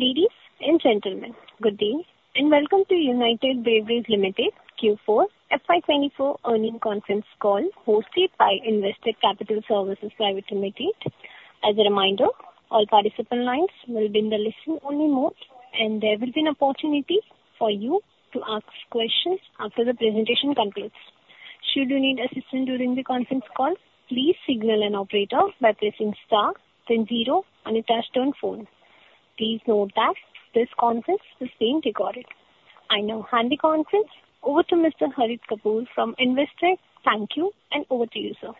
Ladies and gentlemen, good day, and welcome to United Breweries Limited Q4 FY 2024 earnings conference call, hosted by Investec Capital Services Private Limited. As a reminder, all participant lines will be in the listen-only mode, and there will be an opportunity for you to ask questions after the presentation concludes. Should you need assistance during the conference call, please signal an operator by pressing star then zero on your touchtone phone. Please note that this conference is being recorded. I now hand the conference over to Mr. Harit Kapoor from Investec. Thank you, and over to you, sir.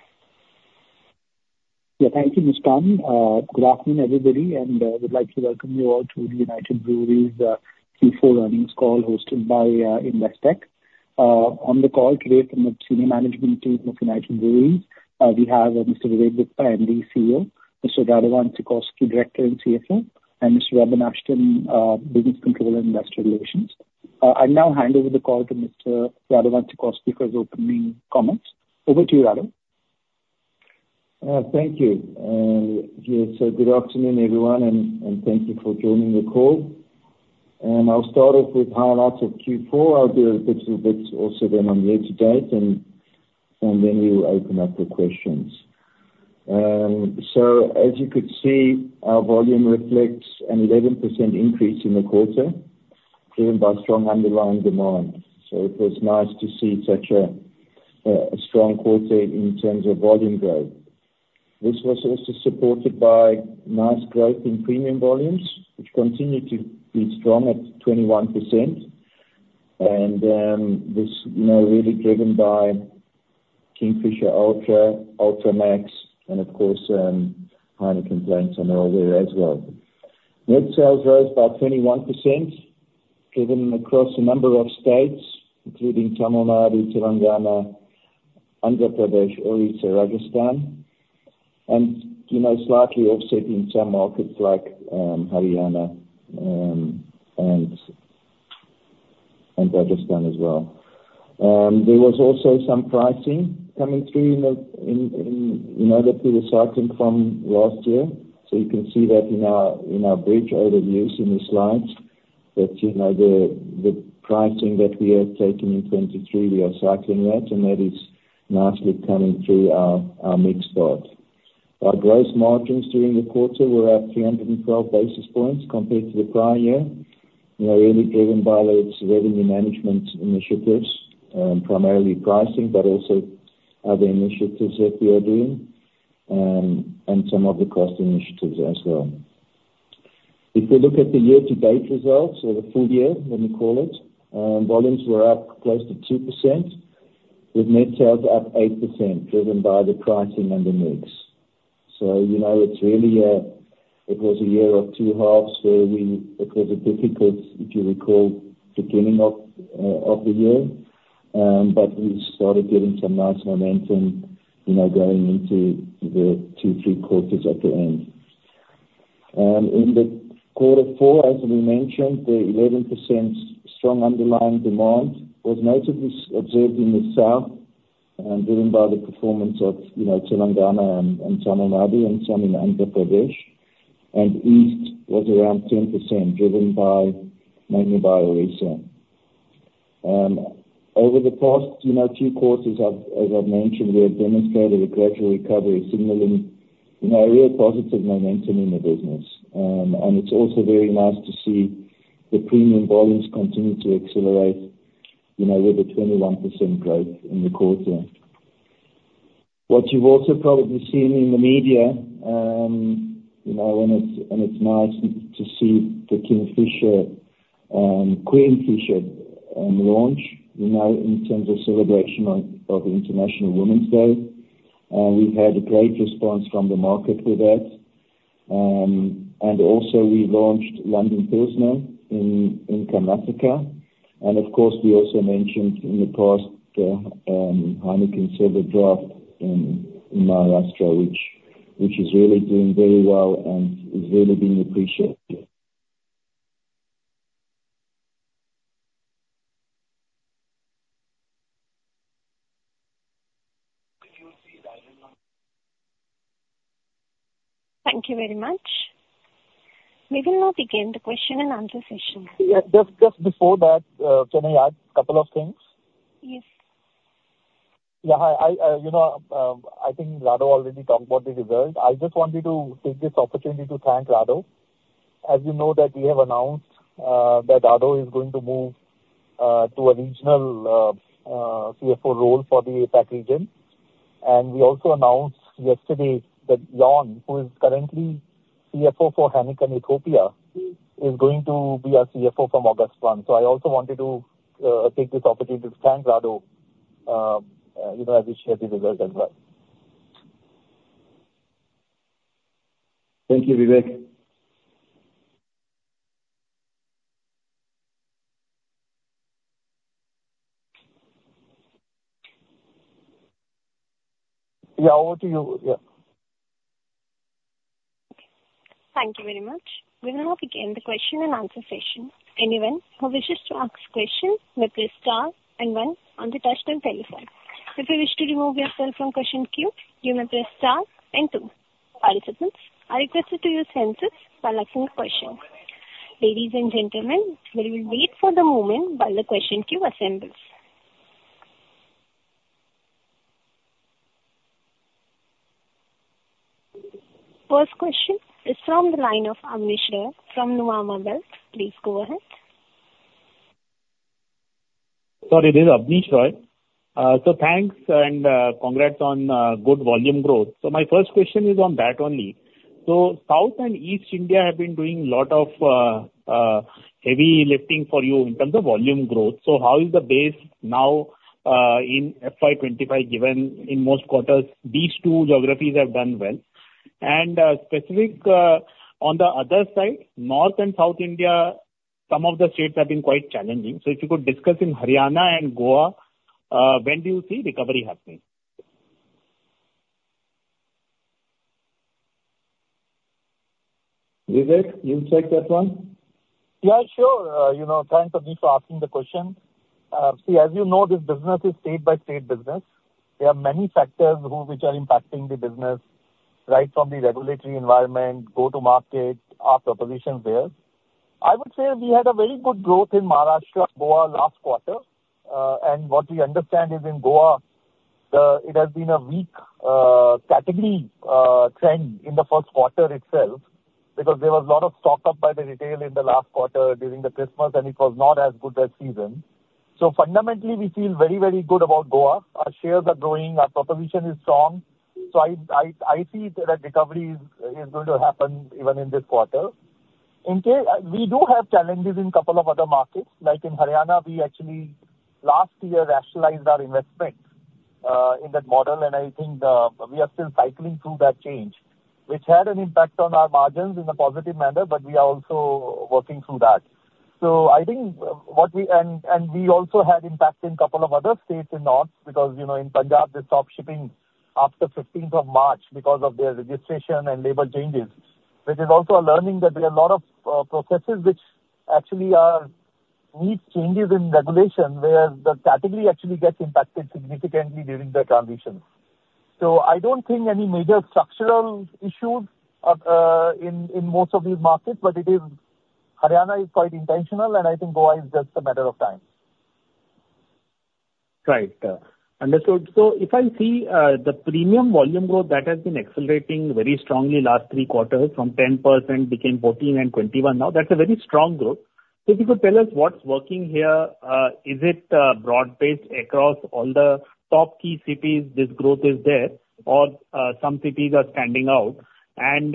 Yeah, thank you, Mustan. Good afternoon, everybody, and we'd like to welcome you all to the United Breweries Q4 earnings call hosted by Investec. On the call today from the senior management team of United Breweries, we have Mr. Vivek Gupta, MD CEO, Mr. Radovan Sikorsky, Director and CFO, and Mr. Robin Ashton, Business Controller, Investor Relations. I now hand over the call to Mr. Radovan Sikorsky for his opening comments. Over to you, Rado. Thank you, and yes, good afternoon, everyone, and thank you for joining the call. I'll start off with highlights of Q4. I'll give bits and pieces also then on year to date, and then we will open up for questions. So as you could see, our volume reflects an 11% increase in the quarter, driven by strong underlying demand, so it was nice to see such a strong quarter in terms of volume growth. This was also supported by nice growth in premium volumes, which continued to be strong at 21%. This, you know, really driven by Kingfisher Ultra, Ultra Max, and of course, Heineken brands are there as well. Net sales rose by 21%, driven across a number of states, including Tamil Nadu, Telangana, Andhra Pradesh, Orissa, Rajasthan, and, you know, slightly offsetting some markets like Haryana, and Pakistan as well. There was also some pricing coming through in the, you know, the pre-cycling from last year. So you can see that in our bridge overview in the slides, that, you know, the pricing that we had taken in 2023, we are cycling that, and that is nicely coming through our mix part. Our gross margins during the quarter were at 312 basis points compared to the prior year. You know, really driven by those revenue management initiatives, primarily pricing, but also other initiatives that we are doing, and some of the cost initiatives as well. If you look at the year-to-date results or the full year, let me call it, volumes were up close to 2%, with net sales up 8%, driven by the pricing and the mix. So, you know, it's really a... It was a year of two halves, where it was a difficult, if you recall, beginning of the year. But we started getting some nice momentum, you know, going into the two, three quarters at the end. In the quarter four, as we mentioned, the 11% strong underlying demand was mostly observed in the south, driven by the performance of, you know, Telangana and Tamil Nadu and some in Andhra Pradesh. East was around 10%, driven by, mainly by Orissa. Over the past, you know, two quarters, I've, as I've mentioned, we have demonstrated a gradual recovery signaling, you know, a real positive momentum in the business. And it's also very nice to see the premium volumes continue to accelerate, you know, with a 21% growth in the quarter. What you've also probably seen in the media, you know, and it's, and it's nice to see the Kingfisher, Queenfisher, launch, you know, in terms of celebration of, of International Women's Day. We've had a great response from the market to that. And also, we launched London Pilsner in, in Karnataka, and of course, we also mentioned in the past, Heineken Silver Draft in, in Maharashtra, which, which is really doing very well and is really being appreciated. Thank you very much. We will now begin the question and answer session. Yeah, just, just before that, can I add a couple of things? Yes. Yeah, you know, I think Rado already talked about the results. I just wanted to take this opportunity to thank Rado. As you know, that we have announced that Rado is going to move to a regional CFO role for the APAC region. And we also announced yesterday that Jan, who is currently CFO for Heineken Ethiopia, is going to be our CFO from August 1. So I also wanted to take this opportunity to thank Rado, you know, I appreciate the result as well. Thank you, Vivek. Yeah. Over to you, yeah. Thank you very much. We will now begin the question and answer session. Anyone who wishes to ask questions may press star and one on the touchtone telephone. If you wish to remove yourself from question queue, you may press star and two. Participants are requested to use handsets while asking a question. Ladies and gentlemen, we will wait for the moment while the question queue assembles. First question is from the line of Abneesh Roy from Nuvama. Please go ahead. Sorry, this is Abneesh Roy. Thanks and congrats on good volume growth. My first question is on that only. South and East India have been doing a lot of heavy lifting for you in terms of volume growth. How is the base now in FY 2025, given in most quarters, these two geographies have done well? Specific on the other side, North and South India, some of the states have been quite challenging. If you could discuss in Haryana and Goa when do you see recovery happening? Vivek, you take that one. Yeah, sure. You know, thanks, Abneesh, for asking the question. See, as you know, this business is state-by-state business. There are many factors who, which are impacting the business, right from the regulatory environment, go-to-market, our propositions there. I would say we had a very good growth in Maharashtra, Goa last quarter. And what we understand is in Goa, it has been a weak category trend in the first quarter itself, because there was a lot of stock up by the retail in the last quarter during the Christmas, and it was not as good that season. So fundamentally, we feel very, very good about Goa. Our shares are growing, our proposition is strong, so I see that a recovery is going to happen even in this quarter. In case we do have challenges in couple of other markets, like in Haryana, we actually last year rationalized our investments in that model, and I think we are still cycling through that change, which had an impact on our margins in a positive manner, but we are also working through that. So I think, And, and we also had impact in couple of other states in North, because, you know, in Punjab, they stopped shipping after fifteenth of March because of their registration and labor changes. Which is also a learning that there are a lot of processes which actually are need changes in regulation, where the category actually gets impacted significantly during the transition. So I don't think any major structural issues are in most of these markets, but it is. Haryana is quite intentional, and I think Goa is just a matter of time. Right. Understood. So if I see, the premium volume growth that has been accelerating very strongly last three quarters from 10% became 14 and 21 now, that's a very strong growth. So if you could tell us what's working here, is it, broad-based across all the top key cities, this growth is there, or, some cities are standing out? And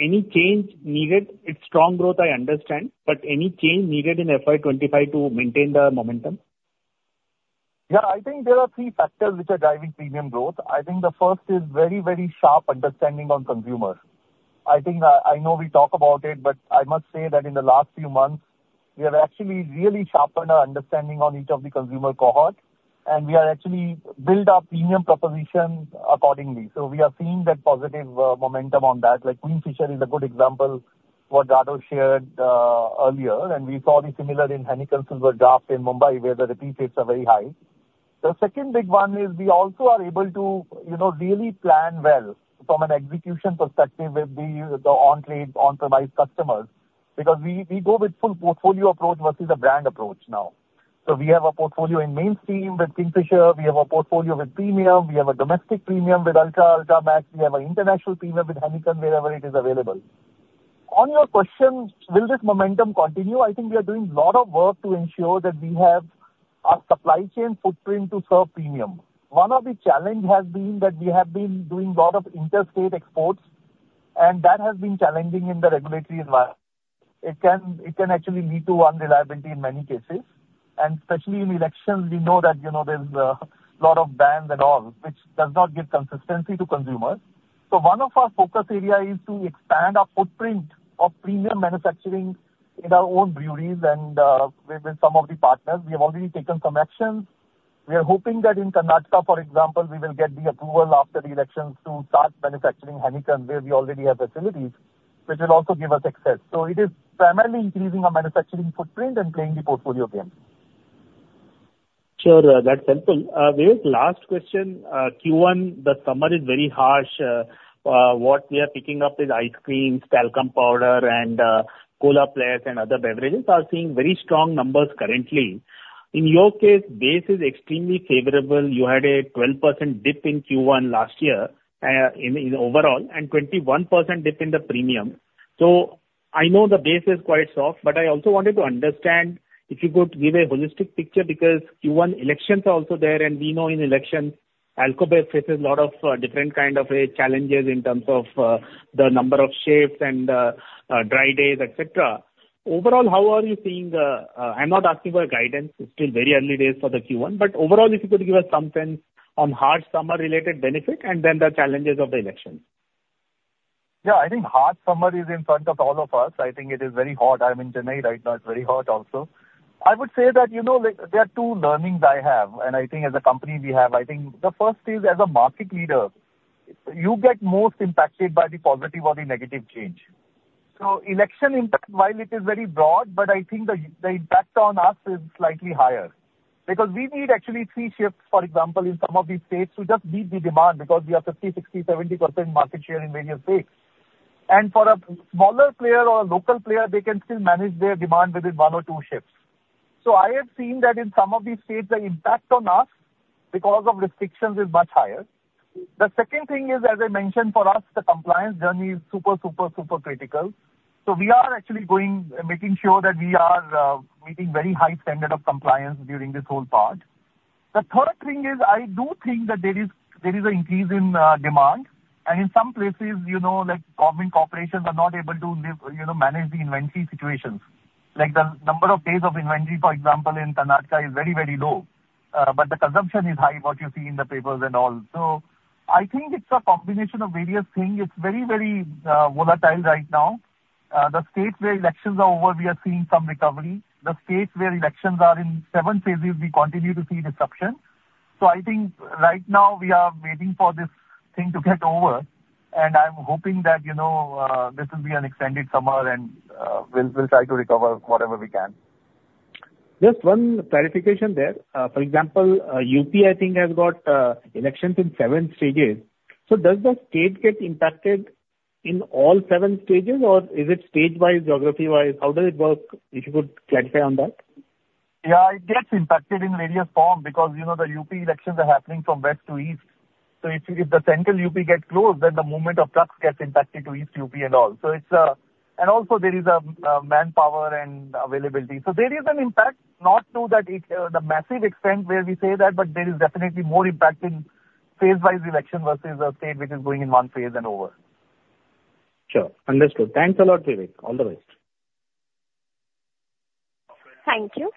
any change needed, it's strong growth, I understand, but any change needed in FY 2025 to maintain the momentum? Yeah, I think there are three factors which are driving premium growth. I think the first is very, very sharp understanding on consumers. I think I, I know we talk about it, but I must say that in the last few months, we have actually really sharpened our understanding on each of the consumer cohorts, and we have actually built our premium propositions accordingly. So we are seeing that positive momentum on that. Like, Kingfisher is a good example, what Dado shared earlier, and we saw the similar in Heineken Silver Draft in Mumbai, where the repeat rates are very high. The second big one is we also are able to, you know, really plan well from an execution perspective with the on-trade, on-premise customers, because we go with full portfolio approach versus a brand approach now. So we have a portfolio in mainstream with Kingfisher, we have a portfolio with premium, we have a domestic premium with Ultra, Ultra Max, we have an international premium with Heineken, wherever it is available. On your question, will this momentum continue? I think we are doing a lot of work to ensure that we have a supply chain footprint to serve premium. One of the challenge has been that we have been doing lot of interstate exports, and that has been challenging in the regulatory environment. It can, it can actually lead to unreliability in many cases, and especially in elections, we know that, you know, there's lot of bans and all, which does not give consistency to consumers. So one of our focus area is to expand our footprint of premium manufacturing in our own breweries and, with, with some of the partners. We have already taken some actions. We are hoping that in Karnataka, for example, we will get the approval after the elections to start manufacturing Heineken, where we already have facilities, which will also give us success. So it is primarily increasing our manufacturing footprint and playing the portfolio game. Sure, that's helpful. Vivek, last question. Q1, the summer is very harsh. What we are picking up is ice creams, talcum powder, and cola plus, and other beverages are seeing very strong numbers currently. In your case, base is extremely favorable. You had a 12% dip in Q1 last year, in overall, and 21% dip in the premium. So I know the base is quite soft, but I also wanted to understand if you could give a holistic picture, because Q1 elections are also there, and we know in elections, Alcobev faces a lot of different kind of challenges in terms of the number of shifts and dry days, et cetera. Overall, how are you seeing the... I'm not asking for guidance, it's still very early days for the Q1. Overall, if you could give us some sense on hot summer related benefit and then the challenges of the elections. Yeah, I think hot summer is in front of all of us. I think it is very hot. I'm in Chennai right now; it's very hot also. I would say that, you know, like, there are two learnings I have, and I think as a company, we have. I think the first is, as a market leader, you get most impacted by the positive or the negative change. So election impact, while it is very broad, but I think the impact on us is slightly higher, because we need actually three shifts, for example, in some of these states to just meet the demand, because we are 50%, 60%, 70% market share in various states. And for a smaller player or a local player, they can still manage their demand within one or two shifts. I have seen that in some of these states, the impact on us, because of restrictions, is much higher. The second thing is, as I mentioned, for us, the compliance journey is super, super, super critical. So we are actually going and making sure that we are, meeting very high standard of compliance during this whole part. The third thing is, I do think that there is, there is an increase in, demand, and in some places, you know, like, government corporations are not able to live, you know, manage the inventory situations. Like, the number of days of inventory, for example, in Karnataka is very, very low, but the consumption is high, what you see in the papers and all. So I think it's a combination of various things. It's very, very, volatile right now. The states where elections are over, we are seeing some recovery. The states where elections are in seven phases, we continue to see disruption. So I think right now we are waiting for this thing to get over, and I'm hoping that, you know, this will be an extended summer, and, we'll try to recover whatever we can. Just one clarification there. For example, UP, I think, has got elections in seven stages. So does the state get impacted in all seven stages, or is it state-wise, geography-wise? How does it work? If you could clarify on that. Yeah, it gets impacted in various forms, because, you know, the UP elections are happening from west to east. So if the central UP gets closed, then the movement of trucks gets impacted to east UP and all. So it's... And also there is manpower and availability. So there is an impact, not to that extent, the massive extent where we say that, but there is definitely more impact in phase-wise election versus a state which is going in one phase and over. Sure. Understood. Thanks a lot, Vivek. All the best. Thank you.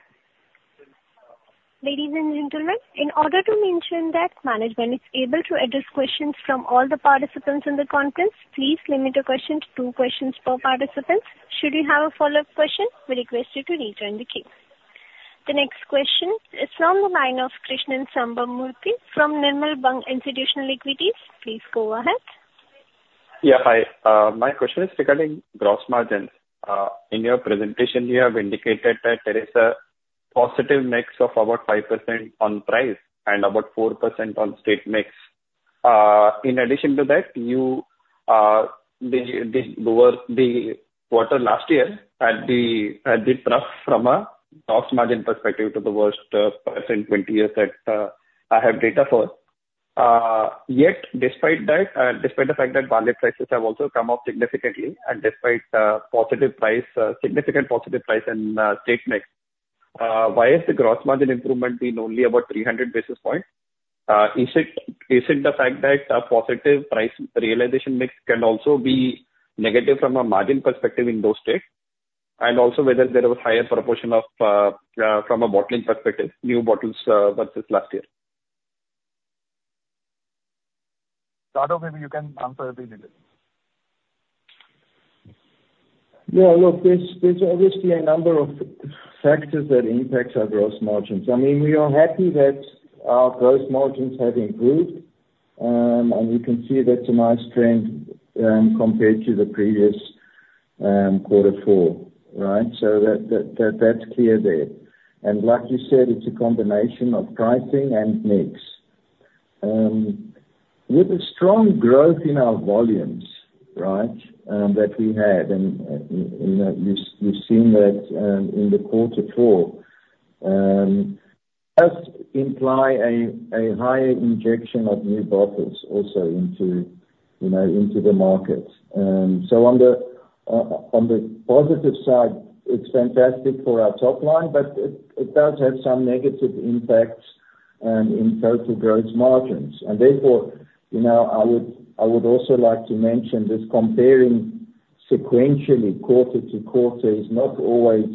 Ladies and gentlemen, in order to mention that management is able to address questions from all the participants in the conference, please limit your questions to two questions per participant. Should you have a follow-up question, we request you to rejoin the queue. The next question is from the line of Krishnan Sambamoorthy from Nirmal Bang Institutional Equities. Please go ahead. Yeah. Hi. My question is regarding gross margins. In your presentation, you have indicated that there is a positive mix of about 5% on price and about 4% on state mix. In addition to that, the Q1 last year had the thrust from a gross margin perspective to the worst percent in 20 years that I have data for. Yet despite that, despite the fact that barley prices have also come up significantly, and despite positive price, significant positive price in state mix, why is the gross margin improvement been only about 300 basis points? Is it the fact that a positive price realization mix can also be negative from a margin perspective in those states? And also whether there was higher proportion of from a bottling perspective, new bottles versus last year? Dato, maybe you can answer this a little. Yeah. Look, there's obviously a number of factors that impacts our gross margins. I mean, we are happy that our gross margins have improved, and we can see that's a nice trend, compared to the previous quarter four, right? So that's clear there. And like you said, it's a combination of pricing and mix. With the strong growth in our volumes, right, that we had, and you know, you've seen that in the quarter four does imply a higher injection of new bottles also into, you know, into the market. So on the positive side, it's fantastic for our top line, but it does have some negative impacts in total gross margins. Therefore, you know, I would, I would also like to mention this: comparing sequentially, quarter to quarter, is not always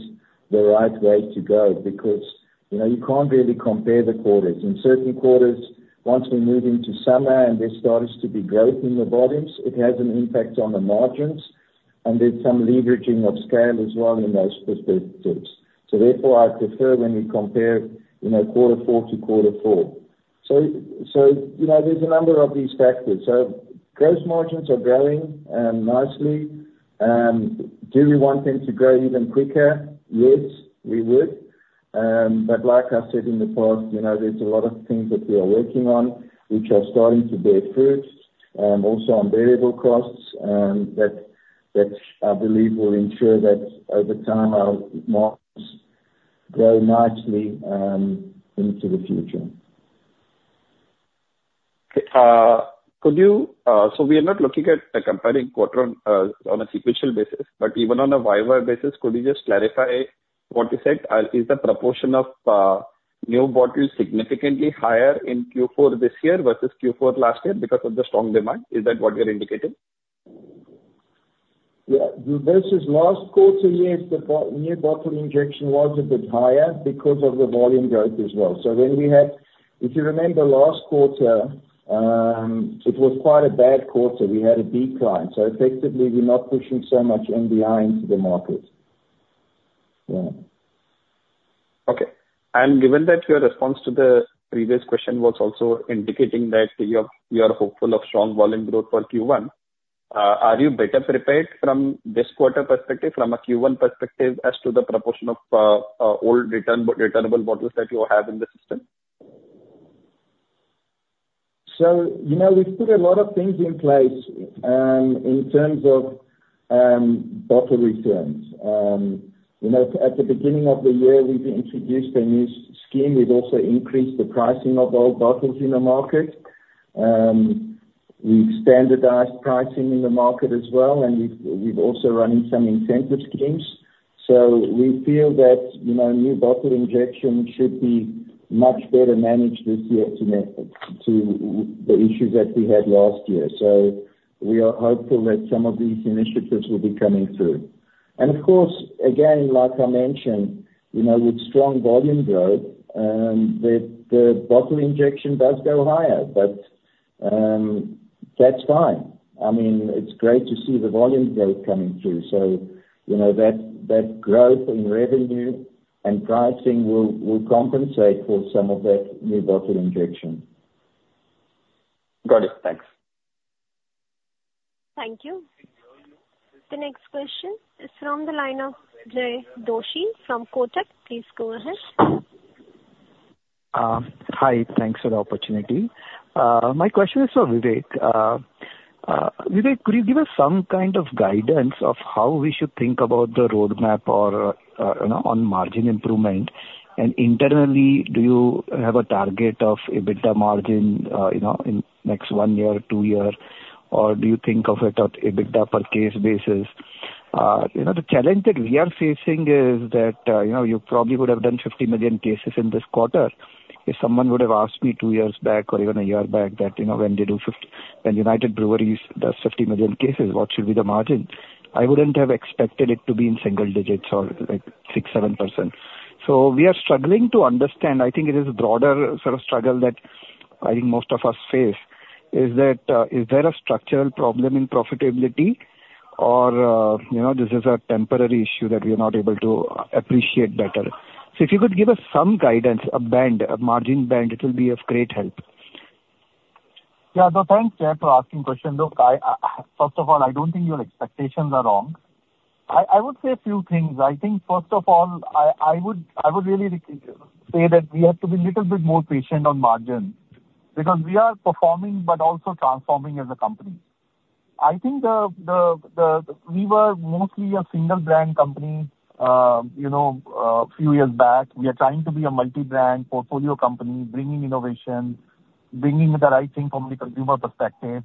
the right way to go, because, you know, you can't really compare the quarters. In certain quarters, once we move into summer and there starts to be growth in the volumes, it has an impact on the margins, and there's some leveraging of scale as well in those perspectives. Therefore, I prefer when we compare, you know, quarter four to quarter four. So, so, you know, there's a number of these factors. So gross margins are growing nicely. Do we want them to grow even quicker? Yes, we would. But like I said in the past, you know, there's a lot of things that we are working on, which are starting to bear fruit, also on variable costs, that I believe will ensure that over time our margins grow nicely, into the future. Could you... So we are not looking at comparing quarter on a sequential basis, but even on a Y-over-Y basis, could you just clarify what you said? Is the proportion of new bottles significantly higher in Q4 this year versus Q4 last year because of the strong demand? Is that what you're indicating? Yeah. Versus last quarter, yes, the new bottle injection was a bit higher because of the volume growth as well. So when we had... If you remember last quarter, it was quite a bad quarter. We had a decline, so effectively we're not pushing so much MBI into the market. Yeah.... Given that your response to the previous question was also indicating that you are hopeful of strong volume growth for Q1, are you better prepared from this quarter perspective, from a Q1 perspective, as to the proportion of old returnable bottles that you have in the system? So, you know, we've put a lot of things in place, in terms of, bottle returns. You know, at the beginning of the year, we've introduced a new scheme. We've also increased the pricing of old bottles in the market. We've standardized pricing in the market as well, and we've also run some incentive schemes. So we feel that, you know, new bottle injection should be much better managed this year to the issues that we had last year. So we are hopeful that some of these initiatives will be coming through. And of course, again, like I mentioned, you know, with strong volume growth, the bottle injection does go higher, but, that's fine. I mean, it's great to see the volume growth coming through. So, you know, that growth in revenue and pricing will compensate for some of that new bottle injection. Got it. Thanks. Thank you. The next question is from the line of Jay Doshi from Kotak. Please go ahead. Hi, thanks for the opportunity. My question is for Vivek. Vivek, could you give us some kind of guidance of how we should think about the roadmap or, you know, on margin improvement? And internally, do you have a target of EBITDA margin, you know, in next 1 year or 2 year, or do you think of it on EBITDA per case basis? You know, the challenge that we are facing is that, you know, you probably would have done 50 million cases in this quarter. If someone would have asked me 2 years back or even a 1 year back that, you know, when United Breweries does 50 million cases, what should be the margin? I wouldn't have expected it to be in single digits or, like, 6%, 7%. So we are struggling to understand. I think it is a broader sort of struggle that I think most of us face, is that, is there a structural problem in profitability or, you know, this is a temporary issue that we are not able to appreciate better? So if you could give us some guidance, a band, a margin band, it will be of great help. Yeah, so thanks, Jay, for asking question. Look, I first of all, I don't think your expectations are wrong. I would say a few things. I think, first of all, I would really say that we have to be a little bit more patient on margin, because we are performing but also transforming as a company. I think we were mostly a single brand company, you know, a few years back. We are trying to be a multi-brand portfolio company, bringing innovation, bringing the right thing from the consumer perspective.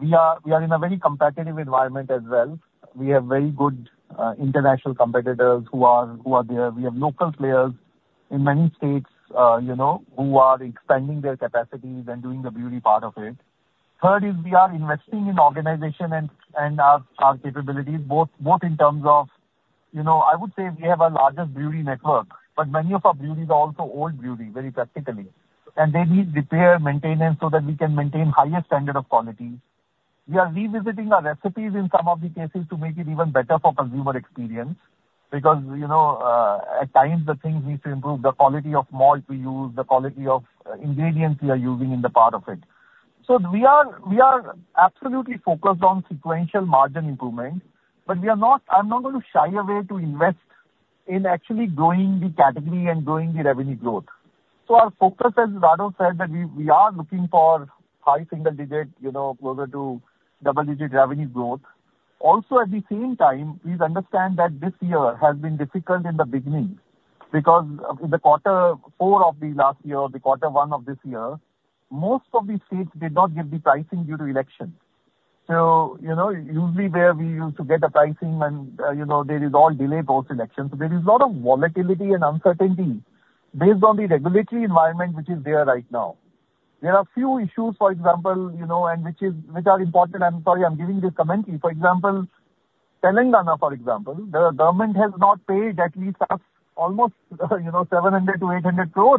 We are in a very competitive environment as well. We have very good international competitors who are there. We have local players in many states, you know, who are expanding their capacities and doing the brewery part of it. Third is we are investing in organization and our capabilities, both in terms of... You know, I would say we have a largest brewery network, but many of our breweries are also old brewery, very practically, and they need repair, maintenance, so that we can maintain higher standard of quality. We are revisiting our recipes in some of the cases to make it even better for consumer experience, because, you know, at times, the thing we need to improve the quality of malt we use, the quality of ingredients we are using in the part of it. So we are absolutely focused on sequential margin improvement, but we are not, I'm not going to shy away to invest in actually growing the category and growing the revenue growth. So our focus, as Rado said, that we, we are looking for high single digit, you know, closer to double-digit revenue growth. Also, at the same time, please understand that this year has been difficult in the beginning, because of the quarter four of the last year, the quarter one of this year, most of the states did not give the pricing due to elections. So, you know, usually where we used to get a pricing and, you know, there is all delayed post-election. So there is a lot of volatility and uncertainty based on the regulatory environment, which is there right now. There are a few issues, for example, you know, and which are important, I'm sorry, I'm giving this commentary. For example, Telangana, for example, the government has not paid at least up almost, you know, 700 crore-800 crore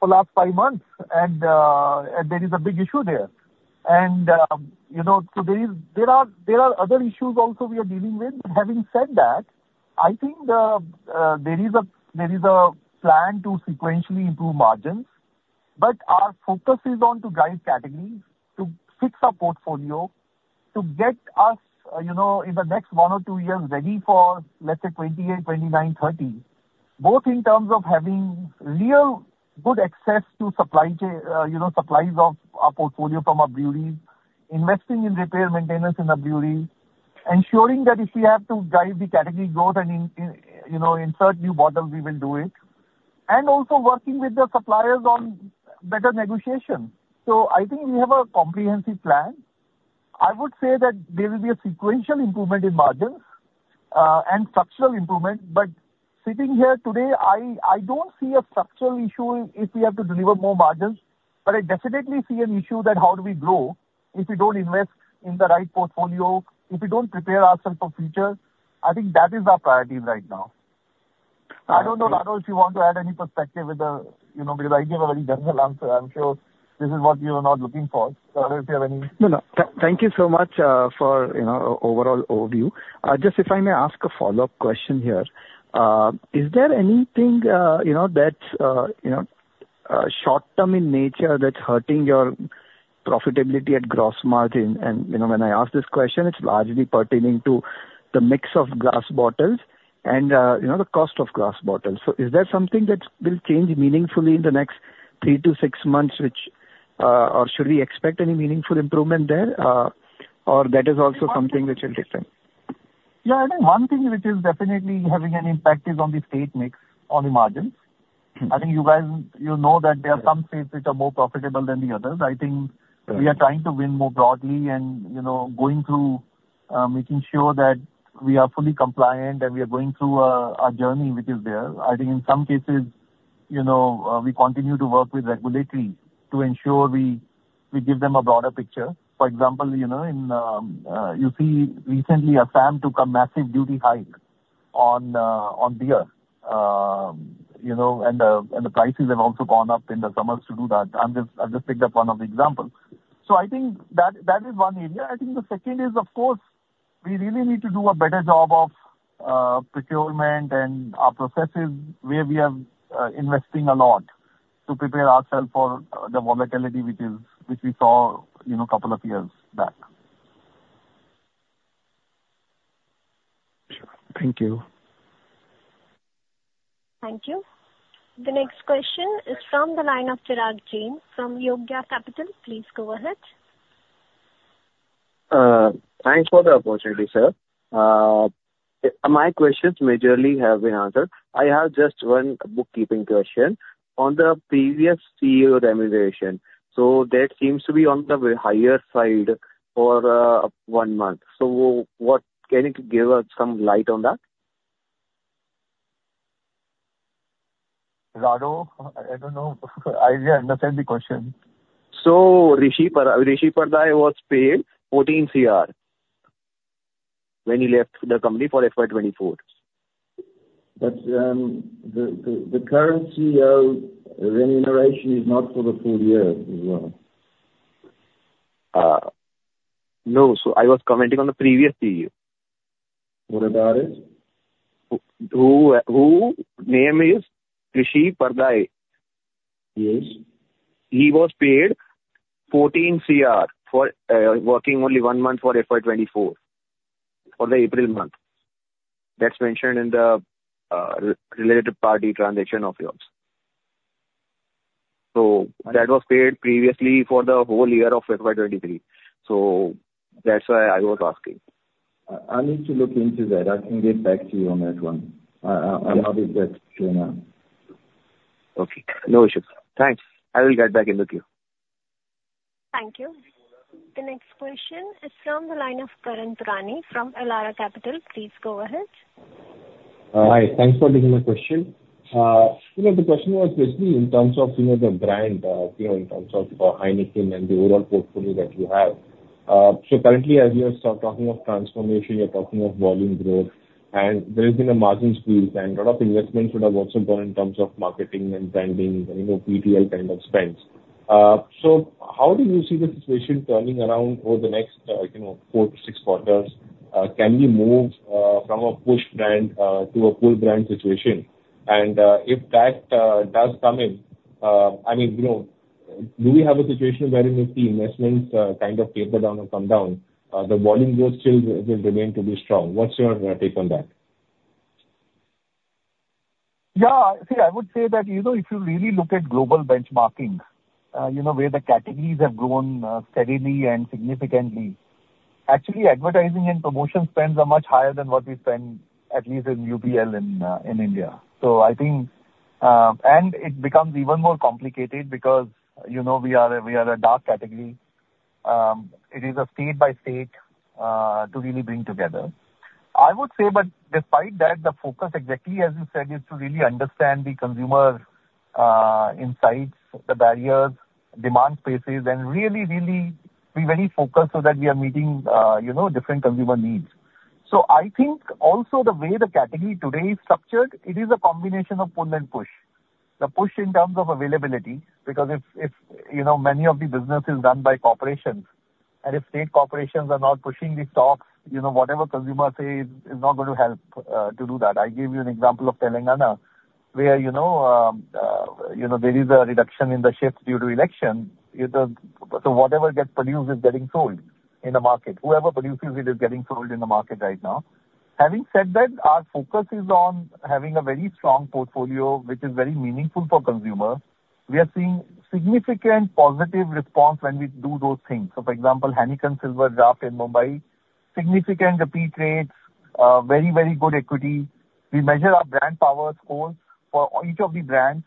for last five months, and there is a big issue there. And, you know, so there are other issues also we are dealing with. Having said that, I think, the, there is a, there is a plan to sequentially improve margins, but our focus is on to guide categories, to fix our portfolio, to get us, you know, in the next one or two years, ready for, let's say, 2028, 2029, 2030, both in terms of having real good access to supply chain, you know, supplies of our portfolio from our breweries, investing in repair and maintenance in the breweries, ensuring that if we have to drive the category growth and in, you know, insert new bottles, we will do it, and also working with the suppliers on better negotiation. So I think we have a comprehensive plan. I would say that there will be a sequential improvement in margins, and structural improvement. But sitting here today, I don't see a structural issue if we have to deliver more margins, but I definitely see an issue that how do we grow if we don't invest in the right portfolio, if we don't prepare ourselves for future? I think that is our priority right now. I don't know, Rado, if you want to add any perspective with the... You know, because I gave a very general answer. I'm sure this is what you are not looking for. So if you have any- No, no. Thank you so much, for, you know, overall overview. Just if I may ask a follow-up question here. Is there anything, you know, that, you know, short term in nature that's hurting your profitability at gross margin? And, you know, when I ask this question, it's largely pertaining to the mix of glass bottles and, you know, the cost of glass bottles. So is there something that will change meaningfully in the next 3-6 months which, or should we expect any meaningful improvement there, or that is also something which is different? Yeah, I think one thing which is definitely having an impact is on the state mix, on the margins. I think you guys, you know that there are some states which are more profitable than the others. I think we are trying to win more broadly and, you know, going through, making sure that we are fully compliant and we are going through, a journey which is there. I think in some cases, you know, we continue to work with regulatory to ensure we, we give them a broader picture. For example, you know, in, you see recently Assam took a massive duty hike on, on beer. You know, and, and the prices have also gone up in the summers to do that. I just picked up one of the examples. So I think that, that is one area. I think the second is, of course, we really need to do a better job of, procurement and our processes, where we are, investing a lot to prepare ourself for, the volatility, which is, which we saw, you know, couple of years back. Sure. Thank you. Thank you. The next question is from the line of Chirag Jain from Yogya Capital. Please go ahead. Thanks for the opportunity, sir. My questions majorly have been answered. I have just one bookkeeping question. On the previous CEO remuneration, so that seems to be on the higher side for one month. So what... Can you give us some light on that? Rado, I don't know. I didn't understand the question. Rishi Pardal was paid 14 crore when he left the company for FY 2024. The current CEO's remuneration is not for the full year as well. No. So I was commenting on the previous CEO. What about it? Who, whose name is Rishi Pardal. Yes. He was paid 14 crore for working only one month for FY 2024, for the April month. That's mentioned in the related-party transaction of yours. So that was paid previously for the whole year of FY 2023, so that's why I was asking. I need to look into that. I can get back to you on that one. I'm not with that right now. Okay, no issues. Thanks. I will get back in with you. Thank you. The next question is from the line of Karan Taurani from Elara Capital. Please go ahead. Hi, thanks for taking my question. You know, the question was basically in terms of, you know, the brand, you know, in terms of Heineken and the overall portfolio that you have. So currently, as you are sort of talking of transformation, you're talking of volume growth, and there's been a margin squeeze and lot of investments would have also gone in terms of marketing and branding and, you know, PTL kind of spends. So how do you see the situation turning around over the next, you know, 4-6 quarters? Can we move, from a push brand, to a pull brand situation? If that does come in, I mean, you know, do we have a situation wherein if the investments kind of taper down or come down, the volume growth still will remain to be strong? What's your take on that? Yeah. See, I would say that, you know, if you really look at global benchmarking, you know, where the categories have grown steadily and significantly, actually, advertising and promotion spends are much higher than what we spend, at least in UBL, in, in India. So I think, And it becomes even more complicated because, you know, we are a, we are a dark category. It is a state by state, to really bring together. I would say, but despite that, the focus, exactly as you said, is to really understand the consumer insights, the barriers, demand spaces, and really, really be very focused so that we are meeting, you know, different consumer needs. So I think also the way the category today is structured, it is a combination of pull and push. The push in terms of availability, because if you know, many of the business is done by corporations, and if state corporations are not pushing the stock, you know, whatever consumer say is not going to help to do that. I give you an example of Telangana, where you know, there is a reduction in the shifts due to election. So whatever gets produced is getting sold in the market. Whoever produces it is getting sold in the market right now. Having said that, our focus is on having a very strong portfolio, which is very meaningful for consumers. We are seeing significant positive response when we do those things. So, for example, Heineken Silver Draft in Mumbai, significant repeat rates, very, very good equity. We measure our brand power score for each of the brands,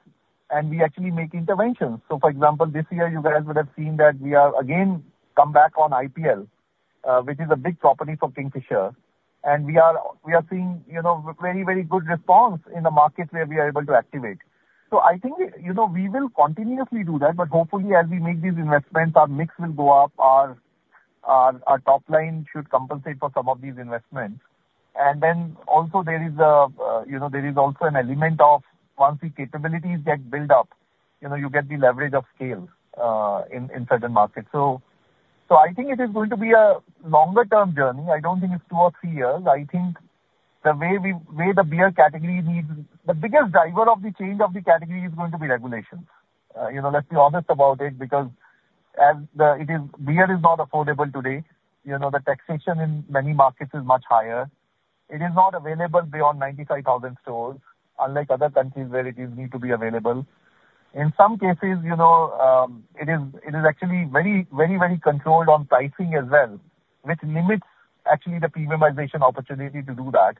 and we actually make interventions. So for example, this year you guys would have seen that we have again come back on IPL, which is a big property for Kingfisher. And we are, we are seeing, you know, very, very good response in the market where we are able to activate. So I think, you know, we will continuously do that, but hopefully, as we make these investments, our mix will go up, our, our, our top line should compensate for some of these investments. And then also there is a, you know, there is also an element of once the capabilities get built up, you know, you get the leverage of scale, in, in certain markets. So, so I think it is going to be a longer term journey. I don't think it's two or three years. I think the way the beer category needs, the biggest driver of the change of the category is going to be regulations. You know, let's be honest about it, because beer is not affordable today. You know, the taxation in many markets is much higher. It is not available beyond 95,000 stores, unlike other countries where it is need to be available. In some cases, you know, it is actually very, very, very controlled on pricing as well, which limits actually the premiumization opportunity to do that.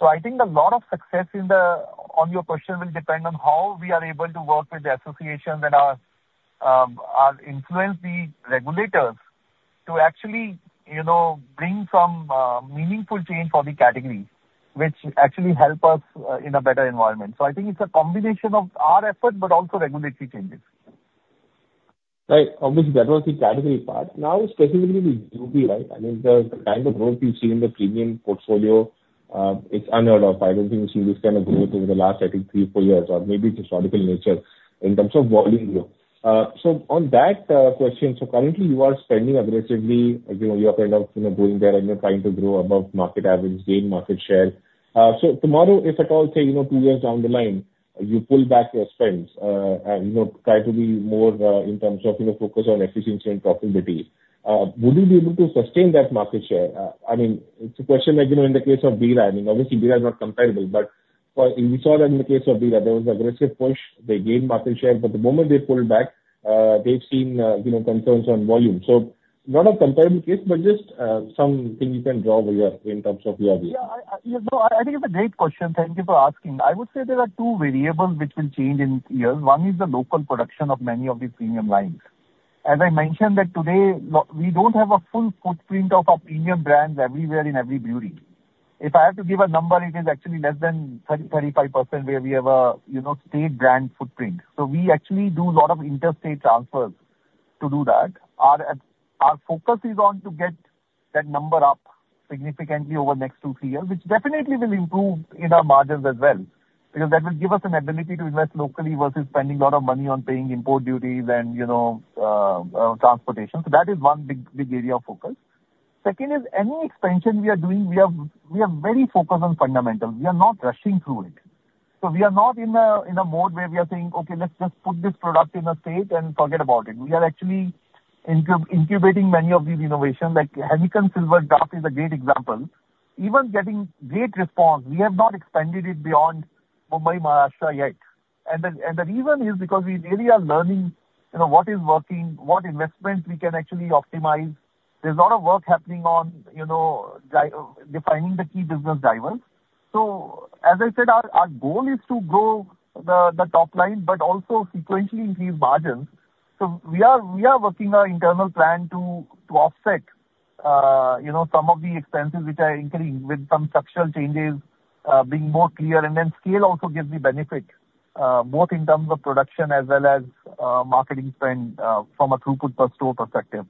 So I think a lot of success in the, on your question, will depend on how we are able to work with the associations and our influence the regulators to actually, you know, bring some meaningful change for the category, which actually help us in a better environment. I think it's a combination of our effort, but also regulatory changes. Right. Obviously, that was the category part. Now, specifically to UB, right? I mean, the kind of growth we've seen in the premium portfolio is unheard of. I don't think we've seen this kind of growth over the last, I think, 3, 4 years, or maybe it's historical nature in terms of volume growth. So on that question, so currently you are spending aggressively, you know, you are kind of, you know, going there and you're trying to grow above market average, gain market share. So tomorrow, if at all, say, you know, 2 years down the line, you pull back your spends, and, you know, try to be more in terms of, you know, focus on efficiency and profitability, would you be able to sustain that market share? I mean, it's a question like, you know, in the case of Bira, I mean, obviously Bira is not comparable, but for... We saw that in the case of Bira, there was aggressive push, they gained market share, but the moment they pulled back, they've seen, you know, concerns on volume. So not a comparable case, but just, something you can draw over here in terms of UB. Yeah, I you know, I think it's a great question. Thank you for asking. I would say there are two variables which will change in years. One is the local production of many of these premium lines. As I mentioned that today, we don't have a full footprint of our premium brands everywhere in every brewery. If I have to give a number, it is actually less than 30%-35% where we have a, you know, state brand footprint. So we actually do a lot of interstate transfers to do that. Our at, our focus is on to get that number up significantly over the next 2-3 years, which definitely will improve in our margins as well, because that will give us an ability to invest locally versus spending a lot of money on paying import duties and, you know, transportation. So that is one big, big area of focus. Second is any expansion we are doing, we are, we are very focused on fundamentals. We are not rushing through it. So we are not in a, in a mode where we are saying, "Okay, let's just put this product in a state and forget about it." We are actually incubating many of these innovations, like Heineken Silver Draft is a great example. Even getting great response, we have not expanded it beyond Mumbai, Maharashtra, yet. And the, and the reason is because we really are learning, you know, what is working, what investment we can actually optimize. There's a lot of work happening on, you know, defining the key business drivers. So, as I said, our, our goal is to grow the, the top line, but also sequentially increase margins. So we are working our internal plan to offset, you know, some of the expenses which are increasing with some structural changes, being more clear. And then scale also gives me benefit, both in terms of production as well as, marketing spend, from a throughput per store perspective.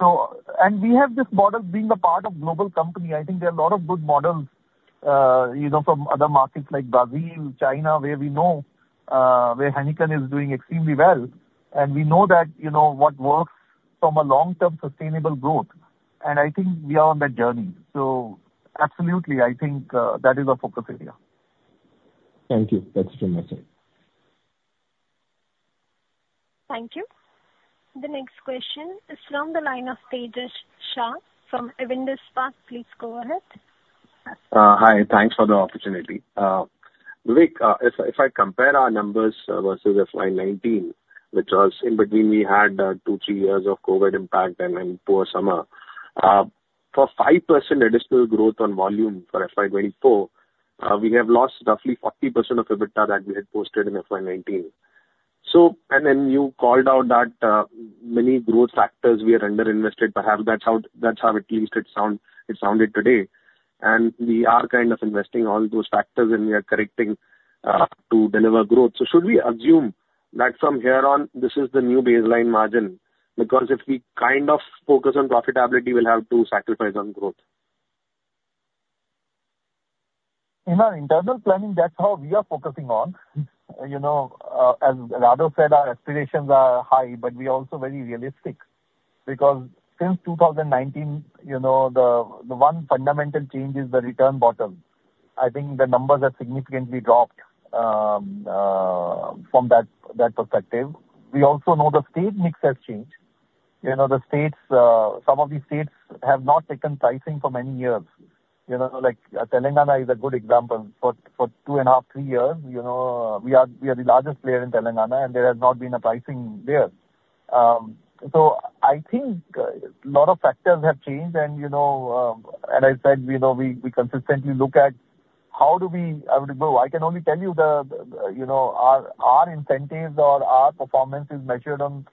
So... And we have this model, being a part of global company, I think there are a lot of good models, you know, from other markets like Brazil, China, where we know, where Heineken is doing extremely well. And we know that, you know, what works from a long-term sustainable growth, and I think we are on that journey. So absolutely, I think, that is our focus area. Thank you. That's been my time. Thank you. The next question is from the line of Tejas Shah from Avendus Spark. Please go ahead. Hi, thanks for the opportunity. Vik, if I compare our numbers versus FY 2019, which was in between, we had 2-3 years of COVID impact and poor summer. For 5% additional growth on volume for FY 2024, we have lost roughly 40% of EBITDA that we had posted in FY 2019. So, and then you called out that many growth factors we are underinvested. Perhaps that's how it sounded today. And we are kind of investing all those factors, and we are correcting to deliver growth. So should we assume that from here on, this is the new baseline margin? Because if we kind of focus on profitability, we'll have to sacrifice on growth. In our internal planning, that's how we are focusing on. You know, as Radovan said, our aspirations are high, but we are also very realistic, because since 2019, you know, the one fundamental change is the return bottom. I think the numbers have significantly dropped from that perspective. We also know the state mix has changed. You know, the states, some of these states have not taken pricing for many years. You know, like, Telangana is a good example. For 2.5-3 years, you know, we are the largest player in Telangana, and there has not been a pricing there. So I think a lot of factors have changed and, you know, as I said, you know, we consistently look at how do we grow? I can only tell you the, you know, our incentives or our performance is measured on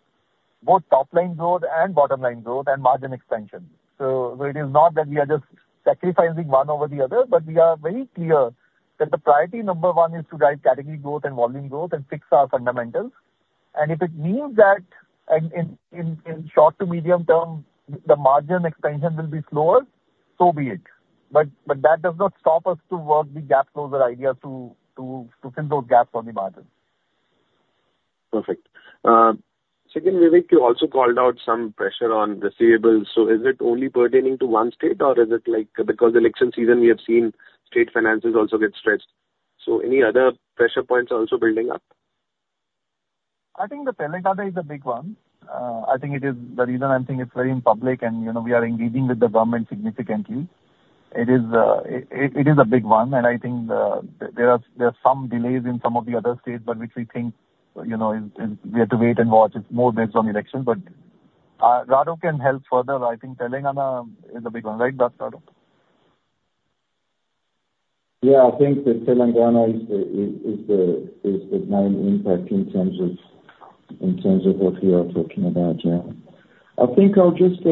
both top-line growth and bottom-line growth, and margin expansion. So where it is not that we are just sacrificing one over the other, but we are very clear that the priority number one is to drive category growth and volume growth and fix our fundamentals. And if it means that in short to medium term, the margin expansion will be slower, so be it. But that does not stop us to work the gap closure idea to fill those gaps on the margin.... Perfect. Second, Vivek, you also called out some pressure on receivables. So is it only pertaining to one state, or is it, like, because election season, we have seen state finances also get stressed? So any other pressure points also building up? I think the Telangana is the big one. I think it is the reason I'm saying it's very public, and, you know, we are engaging with the government significantly. It is, it, it is a big one, and I think, there are, there are some delays in some of the other states, but which we think, you know, is, is we have to wait and watch. It's more based on election. But, Radovan can help further. I think Telangana is a big one, right, Radovan? Yeah, I think that Telangana is the main impact in terms of what we are talking about, yeah. I think I'll just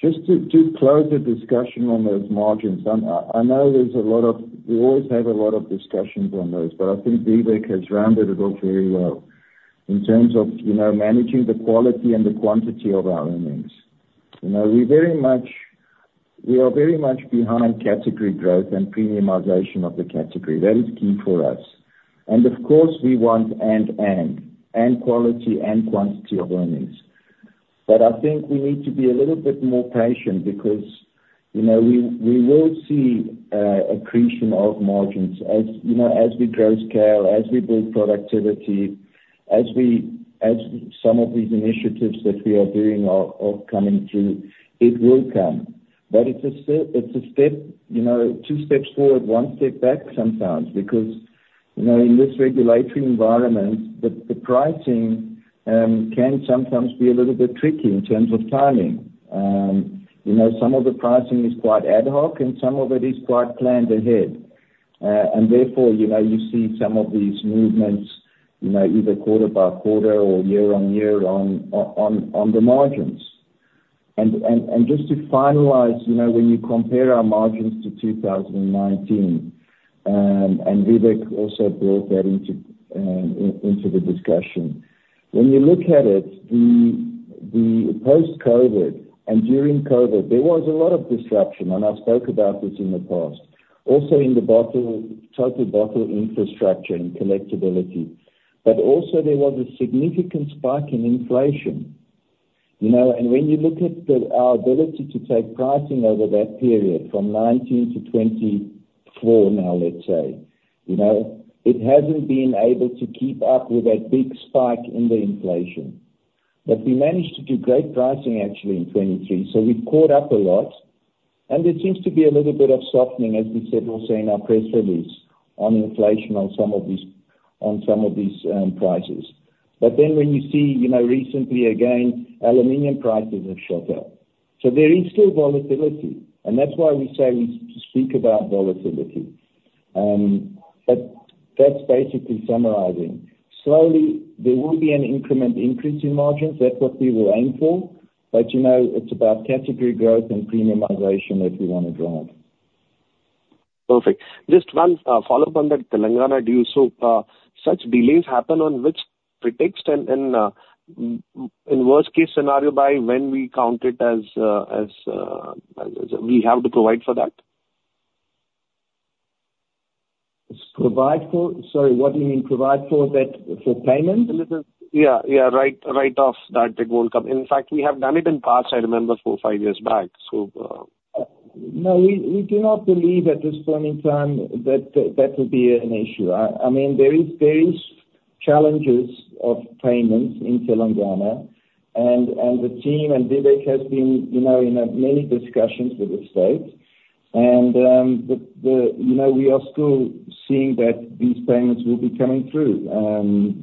to close the discussion on those margins, I know there's a lot of... We always have a lot of discussions on those, but I think Vivek has rounded it off very well. In terms of, you know, managing the quality and the quantity of our earnings. You know, we very much, we are very much behind category growth and premiumization of the category. That is key for us. And of course, we want and, and, and quality and quantity of earnings. But I think we need to be a little bit more patient because, you know, we will see accretion of margins as, you know, as we grow scale, as some of these initiatives that we are doing are coming through, it will come. But it's a step, it's a step, you know, two steps forward, one step back sometimes. Because, you know, in this regulatory environment, the pricing can sometimes be a little bit tricky in terms of timing. You know, some of the pricing is quite ad hoc, and some of it is quite planned ahead. And therefore, you know, you see some of these movements, you know, either quarter-by-quarter or year-on-year on the margins. Just to finalize, you know, when you compare our margins to 2019, and Vivek also brought that into the discussion. When you look at it, post-COVID and during COVID, there was a lot of disruption, and I spoke about this in the past. Also, in the bottle, total bottle infrastructure and collectibility. But also, there was a significant spike in inflation. You know, and when you look at our ability to take pricing over that period, from 2019 to 2024 now, let's say, you know, it hasn't been able to keep up with that big spike in the inflation. But we managed to do great pricing actually in 2023, so we've caught up a lot, and there seems to be a little bit of softening, as we said also in our press release, on inflation on some of these prices. But then when you see, you know, recently, again, aluminum prices have shot up. So there is still volatility, and that's why we say we speak about volatility. But that's basically summarizing. Slowly, there will be an increment increase in margins. That's what we will aim for. But you know, it's about category growth and premiumization that we wanna drive. Perfect. Just one follow-up on that Telangana deal. So, such delays happen on which pretext, and, in worst case scenario, by when we count it as we have to provide for that? Provide for? Sorry, what do you mean provide for that, for payment? Yeah, yeah, write off that it won't come. In fact, we have done it in the past. I remember, 4-5 years back, so... No, we do not believe at this point in time that that would be an issue. I mean, there is challenges of payments in Telangana, and the team and Vivek has been, you know, in many discussions with the state. And, you know, we are still seeing that these payments will be coming through,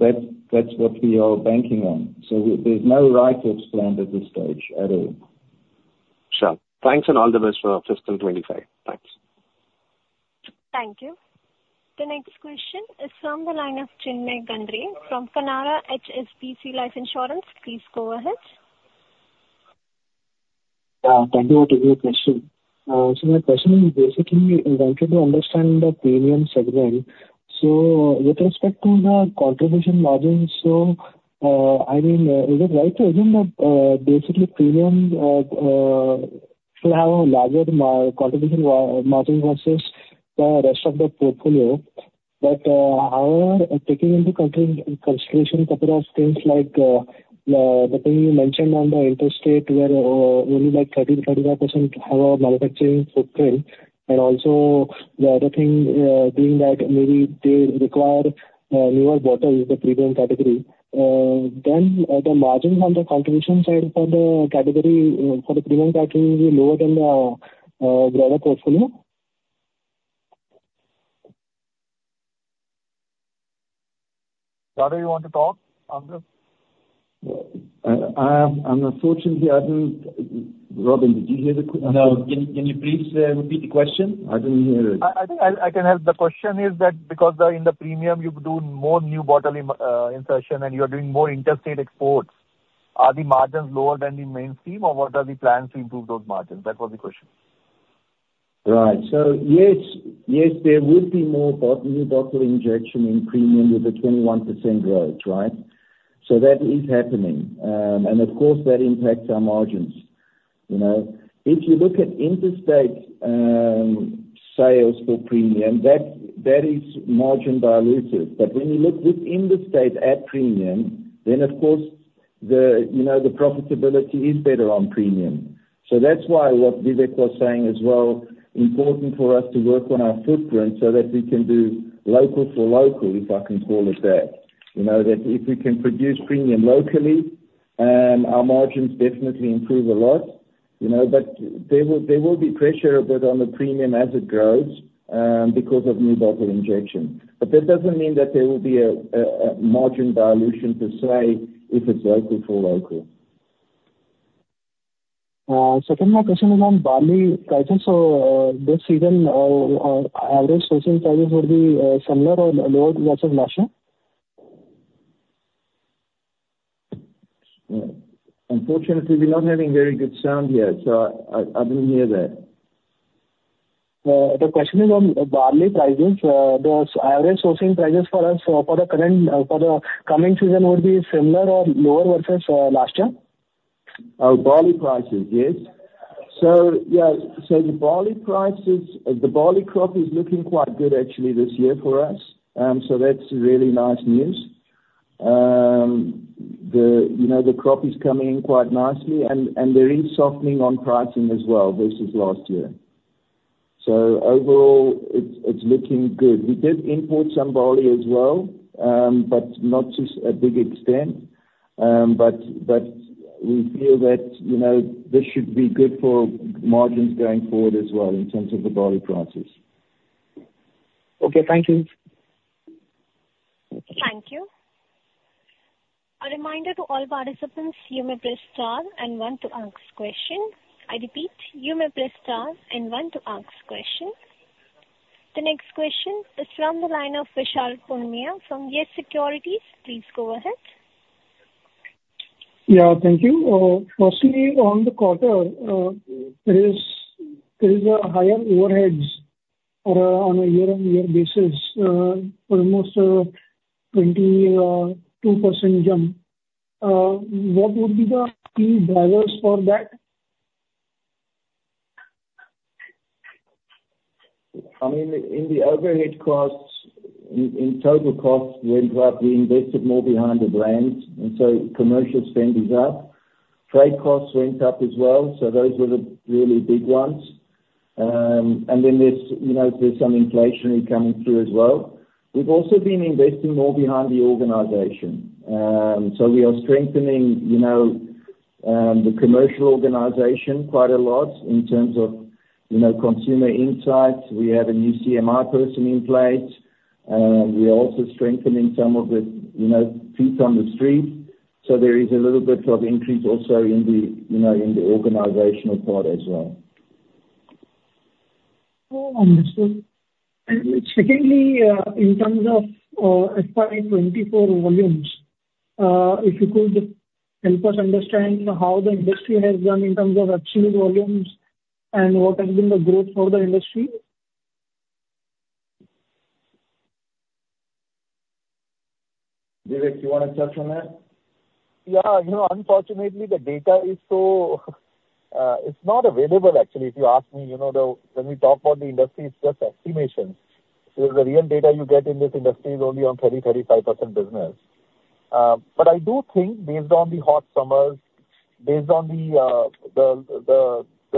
that's what we are banking on. So there's no write-offs planned at this stage at all. Sure. Thanks and all the best for our fiscal 25. Thanks. Thank you. The next question is from the line of Chinmay Gandre from Canara HSBC Life Insurance. Please go ahead. Thank you. I'll give you a question. So my question is basically, I wanted to understand the premium segment. So with respect to the contribution margins, so, I mean, is it right to assume that, basically premium should have a larger contribution margin versus the rest of the portfolio? But however, taking into consideration a couple of things like, the thing you mentioned on the interstate, where only like 30%-35% have a manufacturing footprint, and also the other thing, being that maybe they require newer bottles, the premium category, then the margins on the contribution side for the category, for the premium category will be lower than the broader portfolio? Radovan, you want to talk on this? Unfortunately, I didn't... Robin, did you hear the q-? No. Can you please repeat the question? I didn't hear it. I think I can help. The question is that because in the premium, you do more new bottle injection, and you are doing more interstate exports, are the margins lower than the mainstream, or what are the plans to improve those margins? That was the question. Right. So yes, yes, there will be more bottle, new bottle injection in premium with the 21% growth, right? So that is happening. And of course, that impacts our margins, you know. If you look at interstate sales for premium, that, that is margin dilutive. But when you look within the state at premium, then of course the, you know, the profitability is better on premium. So that's why, what Vivek was saying as well, important for us to work on our footprint so that we can do local for local, if I can call it that. You know, that if we can produce premium locally, our margins definitely improve a lot, you know, but there will, there will be pressure but on the premium as it grows, because of new bottle injection. But that doesn't mean that there will be a margin dilution per se, if it's local for local. Second question is on barley prices. This season, average sourcing prices would be similar or lower versus last year? Unfortunately, we're not having very good sound here, so I didn't hear that. The question is on barley pricing. The average sourcing prices for us for the current, for the coming season would be similar or lower versus last year? Oh, barley prices, yes. So, yeah, so the barley prices, the barley crop is looking quite good actually this year for us. So that's really nice news. You know, the crop is coming in quite nicely, and there is softening on pricing as well versus last year. So overall, it's looking good. We did import some barley as well, but not to a big extent. But we feel that, you know, this should be good for margins going forward as well, in terms of the barley prices. Okay, thank you. Thank you. A reminder to all participants, you may press star and one to ask question. I repeat, you may press star and one to ask question. The next question is from the line of Vishal Punmiya from YES Securities. Please go ahead. Yeah, thank you. Firstly, on the quarter, there is a higher overheads on a year-on-year basis, almost 22% jump. What would be the key drivers for that? I mean, in the overhead costs, total costs went up. We invested more behind the brands, and so commercial spend is up. Trade costs went up as well, so those were the really big ones. And then, you know, there's some inflation coming through as well. We've also been investing more behind the organization. So we are strengthening, you know, the commercial organization quite a lot in terms of, you know, consumer insights. We have a new CMI person in place, we are also strengthening some of the, you know, feet on the street. So there is a little bit of increase also in the, you know, in the organizational part as well. Oh, understood. And secondly, in terms of FY 2024 volumes, if you could help us understand how the industry has done in terms of achieved volumes and what has been the growth for the industry? Vivek, you wanna touch on that? Yeah. You know, unfortunately, the data is so, it's not available actually, if you ask me, you know, when we talk about the industry, it's just estimations. So the real data you get in this industry is only on 30-35% business. But I do think based on the hot summers, based on the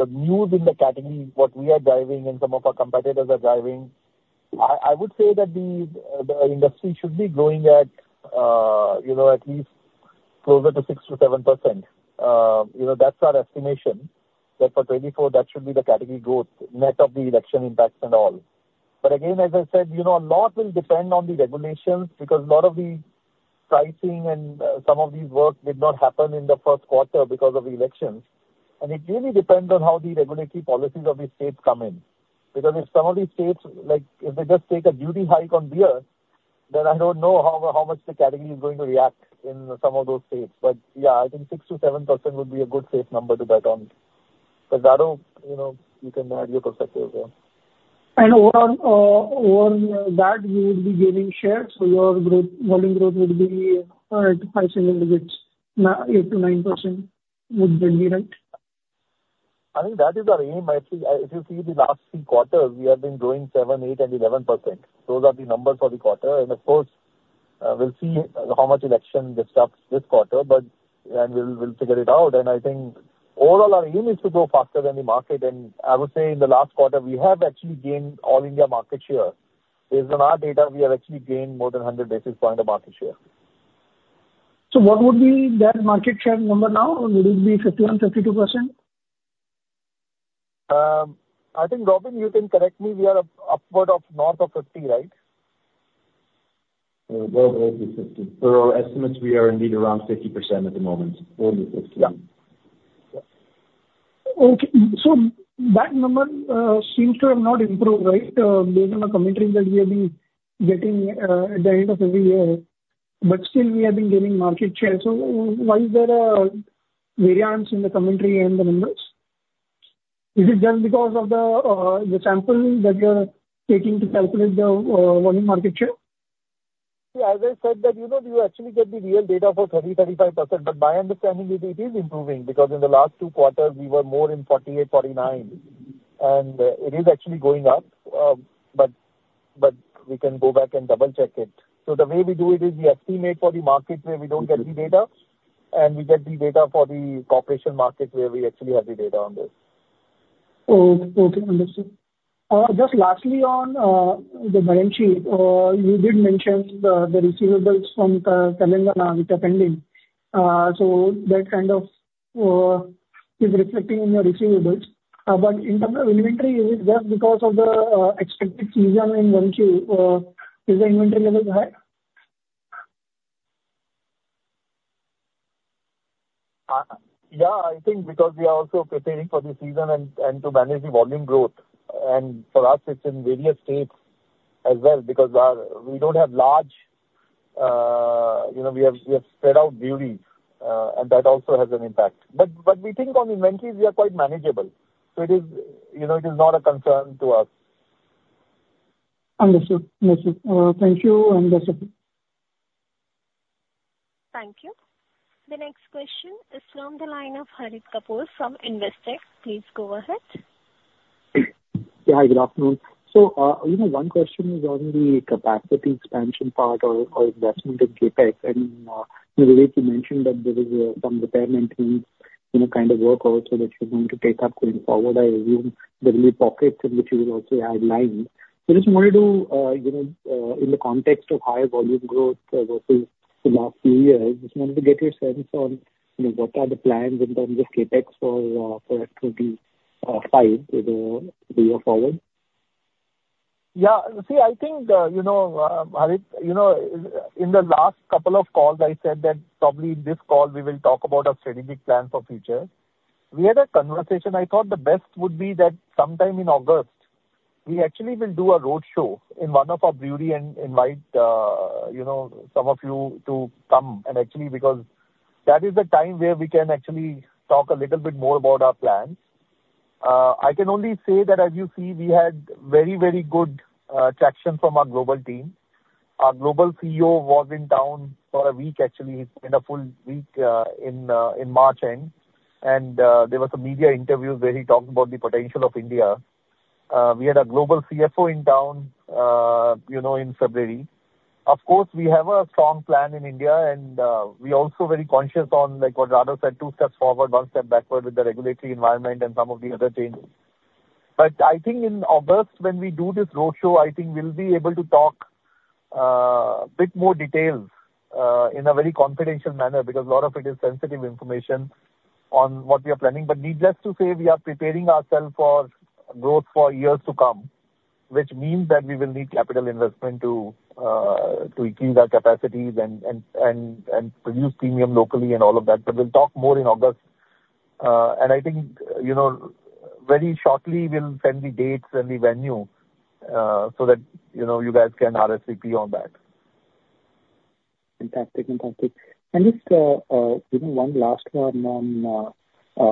news in the category, what we are driving and some of our competitors are driving, I would say that the industry should be growing at, you know, at least closer to 6%-7%. You know, that's our estimation, that for 2024, that should be the category growth, net of the election impacts and all. But again, as I said, you know, a lot will depend on the regulations, because a lot of the pricing and some of these work did not happen in the first quarter because of elections. And it really depends on how the regulatory policies of the states come in. Because if some of these states, like, if they just take a duty hike on beer, then I don't know how much the category is going to react in some of those states. But yeah, I think 6%-7% would be a good, safe number to bet on. But I don't... You know, you can add your perspective there. And overall, overall, that we will be gaining shares, so your growth, volume growth would be, high single digits, 8%-9%, would that be right? I think that is our aim. I think, if you see the last three quarters, we have been growing 7%, 8% and 11%. Those are the numbers for the quarter. And of course, we'll see how much election disrupts this quarter, but... And we'll, we'll figure it out. And I think overall, our aim is to grow faster than the market. And I would say in the last quarter, we have actually gained All India market share. Based on our data, we have actually gained more than 100 basis points of market share. So what would be that market share number now? Would it be 51%-52%? I think, Robin, you can correct me, we are upward of north of 50, right? Well over 50. Per our estimates, we are indeed around 50% at the moment. 40, 50, yeah. Okay. So that number seems to have not improved, right? Based on the commentary that we have been getting at the end of every year, but still we have been gaining market share. So why is there a variance in the commentary and the numbers? Is it just because of the sampling that you are taking to calculate the volume market share? Yeah, as I said, that you know, you actually get the real data for 30%-35%, but my understanding is it is improving, because in the last two quarters, we were more in 48-49. And, it is actually going up, but, but we can go back and double check it. So the way we do it is, we estimate for the market where we don't get the data, and we get the data for the corporation market, where we actually have the data on this. Oh, okay, understood. Just lastly on the balance sheet, you did mention the receivables from Telangana, which are pending. So that kind of is reflecting in your receivables. But in terms of inventory, is it just because of the expected season in one, two? Is the inventory levels high? Yeah, I think because we are also preparing for the season and to manage the volume growth. And for us, it's in various states as well, because we don't have large... You know, we have spread out breweries and that also has an impact. But we think on inventories, we are quite manageable. So it is, you know, it is not a concern to us. Understood. Understood. Thank you, and that's it. Thank you. The next question is from the line of Harit Kapoor from Investec. Please go ahead. Yeah, good afternoon. So, you know, one question is on the capacity expansion part or, or investment in CapEx. And, you already mentioned that there is, some repair and things, you know, kind of work also that you're going to take up going forward. I assume there will be pockets in which you will also add line. So I just wanted to, you know, in the context of high volume growth over the last few years, just wanted to get your sense on, you know, what are the plans in terms of CapEx for, for actually, five year, year forward? Yeah. See, I think, you know, Harit, you know, in the last couple of calls, I said that probably in this call, we will talk about our strategic plan for future. We had a conversation. I thought the best would be that sometime in August, we actually will do a roadshow in one of our brewery and invite, you know, some of you to come. And actually, because that is the time where we can actually talk a little bit more about our plans. I can only say that as you see, we had very, very good traction from our global team. Our global CEO was in town for a week. Actually, he spent a full week in March end, and there was a media interview where he talked about the potential of India. We had a global CFO in town, you know, in February. Of course, we have a strong plan in India, and we're also very conscious on, like, what Rado said, two steps forward, one step backward with the regulatory environment and some of the other changes. But I think in August, when we do this roadshow, I think we'll be able to talk a bit more details in a very confidential manner, because a lot of it is sensitive information on what we are planning. But needless to say, we are preparing ourself for growth for years to come, which means that we will need capital investment to, to increase our capacities and produce premium locally and all of that. But we'll talk more in August. I think, you know, very shortly, we'll send the dates and the venue, so that, you know, you guys can RSVP on that. Fantastic. Fantastic. And just, you know, one last one on, you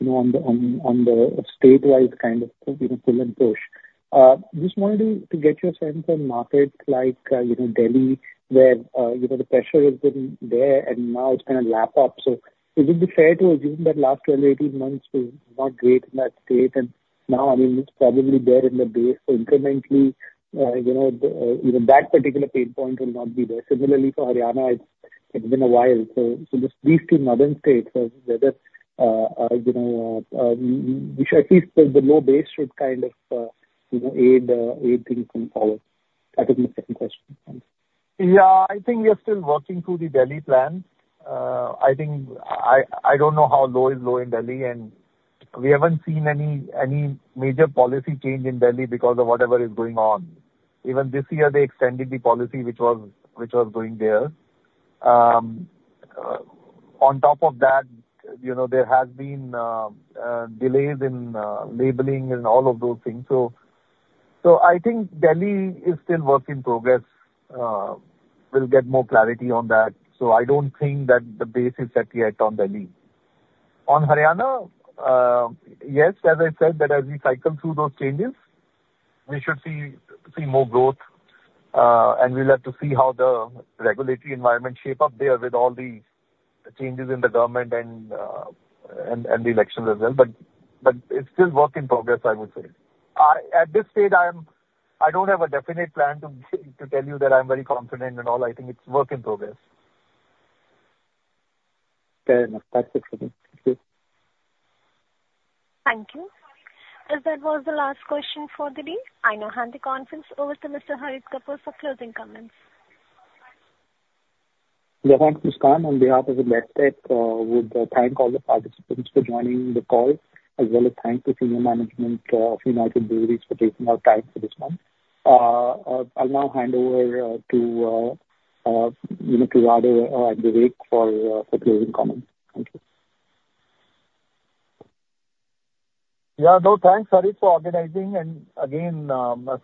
know, on the statewide kind of, you know, pull and push. Just wanted to get your sense on markets like, you know, Delhi, where, you know, the pressure has been there and now it's kind of let up. So would it be fair to assume that last 12, 18 months was not great in that state, and now, I mean, it's probably there in the base incrementally, you know, even that particular pain point will not be there. Similarly, for Haryana, it's been a while. So just these two northern states, whether, you know, we should at least the low base should kind of, you know, aid things going forward. That is my second question. Thanks. Yeah, I think we are still working through the Delhi plan. I think I don't know how low is low in Delhi, and we haven't seen any major policy change in Delhi because of whatever is going on. Even this year, they extended the policy which was going there. On top of that, you know, there has been delays in labeling and all of those things. So I think Delhi is still work in progress. We'll get more clarity on that. So I don't think that the base is set yet on Delhi. On Haryana, yes, as I said, that as we cycle through those changes, we should see more growth, and we'll have to see how the regulatory environment shape up there with all the changes in the government and the elections as well. But it's still work in progress, I would say. At this stage, I don't have a definite plan to tell you that I'm very confident and all. I think it's work in progress. Fair enough. That's it for me. Thank you. Thank you. As that was the last question for the day, I now hand the conference over to Mr. Harit Kapoor for closing comments. Yeah, thanks, Muskan. On behalf of Investec, we'd thank all the participants for joining the call, as well as thank the senior management of United Breweries for taking out time for this one. I'll now hand over to you know, to Rado and Vivek for closing comments. Thank you. Yeah, no, thanks, Harit, for organizing. And again,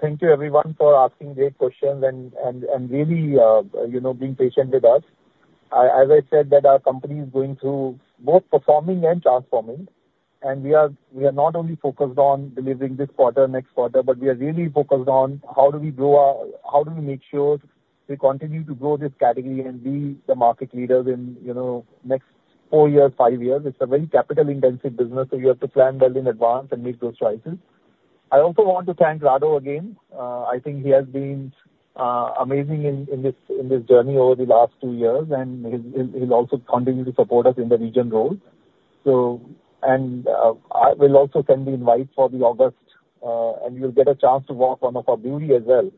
thank you everyone for asking great questions and really, you know, being patient with us. As I said, that our company is going through both performing and transforming, and we are not only focused on delivering this quarter, next quarter, but we are really focused on how do we grow our... How do we make sure we continue to grow this category and be the market leaders in, you know, next four years, five years? It's a very capital-intensive business, so you have to plan well in advance and make those choices. I also want to thank Rado again. I think he has been amazing in this journey over the last two years, and he'll also continue to support us in the region role. I will also send the invite for the August, and you'll get a chance to walk one of our brewery as well.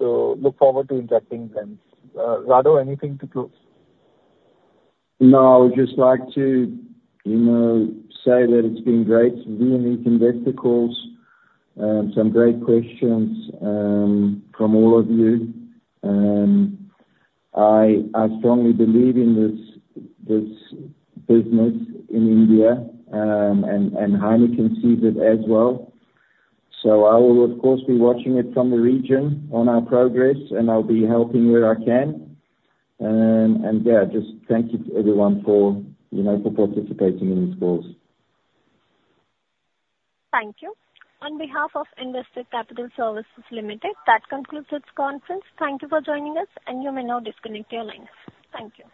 Look forward to interacting then. Rado, anything to close? No, I would just like to, you know, say that it's been great being in Investec calls, some great questions, from all of you. I strongly believe in this business in India, and Heineken sees it as well. So I will, of course, be watching it from the region on our progress, and I'll be helping where I can. Yeah, just thank you to everyone for, you know, for participating in these calls. Thank you. On behalf of Investec Capital Services Limited, that concludes this conference. Thank you for joining us, and you may now disconnect your lines. Thank you.